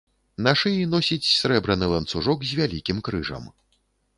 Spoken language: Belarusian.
На шыі носіць срэбраны ланцужок з вялікім крыжам.